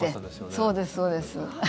そうです、そうです。